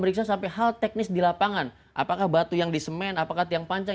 periksa sampai hal teknis di lapangan apakah batu yang disemen apakah tiang panjang